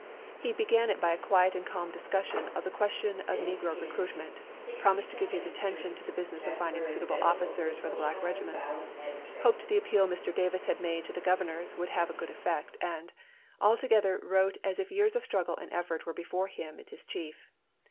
He began it by a quiet and api. % 1865. calm discussion of the question of negro recruit ment ; promised to give his attention to the business of finding suitable officers for the black regiments ; hoped the appeal Mr. Davis had made to the gov ernors would have a good effect; and, altogether, wrote as if years of struggle and effort were before him and his chief.